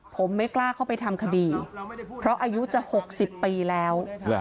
ผมไม่กล้าเข้าไปทำคดีเพราะอายุจะ๖๐ปีแล้ว